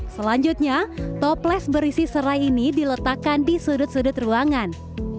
selanjutnya toples berisi serai ini diletakkan di sudut sudut ruangan